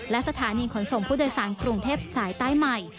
และสถานีขนส่งผู้โดยสารกรุงเทพสายใต้ใหม่